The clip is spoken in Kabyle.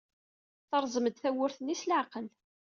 Terẓem-d tewwurt-nni s leɛqel.